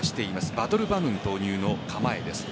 バドル・バヌンの投入の構えです。